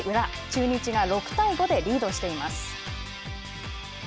中日が６対５でリードしています。